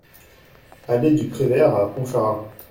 Allée du Pré Vert à Pontcharra